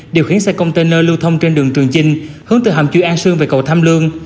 điều khiến xe container lưu thông trên đường trường chinh hướng từ hàm chứa an sương về cầu tham lương